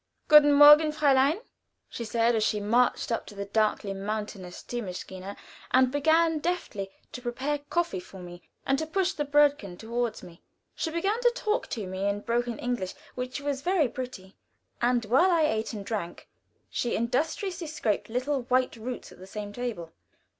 "Guten morgen, Fräulein," she said, as she marched up to the darkly mysterious theemaschine and began deftly to prepare coffee for me, and to push the Brödchen toward me. She began to talk to me in broken English, which was very pretty, and while I ate and drank, she industriously scraped little white roots at the same table.